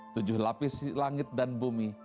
tujuh lapis langit dan bumi